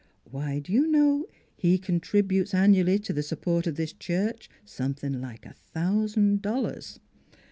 Why, d' you know he contributes annually to the sup port of this church something like a thousand dollars!